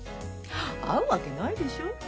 会うわけないでしょ。